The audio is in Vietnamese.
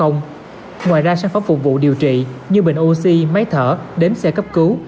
ngoài ra sản phẩm phục vụ điều trị như bệnh oxy máy thở đếm xe cấp cứu